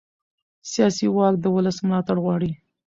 سیاسي واک د ولس ملاتړ غواړي